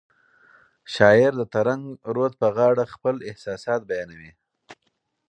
شاعر د ترنګ رود په غاړه خپل احساسات بیانوي.